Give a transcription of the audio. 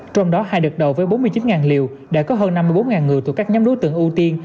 trong đó hai đợt đầu với bốn mươi chín liều đã có hơn năm mươi bốn người thuộc các nhóm đối tượng ưu tiên